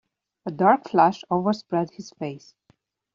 A dark flush overspread his face.